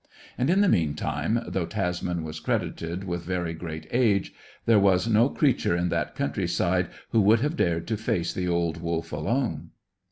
And, in the meantime, though Tasman was credited with very great age, there was no creature in that countryside who would have dared to face the old wolf alone.